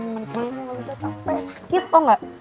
menikahin gue gabisa capek sakit tau ga